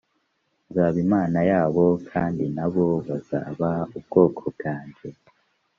nzaba imana yabo i kandi na bo bazaba ubwoko bwanjye